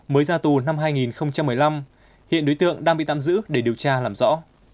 mới ra tù năm hai nghìn một mươi năm hiện đối tượng đang bị tạm giữ để điều tra làm rõ